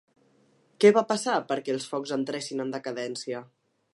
Què va passar perquè els focs entressin en decadència?